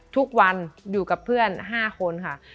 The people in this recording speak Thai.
ทุกวันอยู่กับเพื่อน๕คนค่ะ